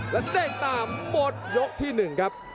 และเด้งตามหมดยกที่หนึ่งครับ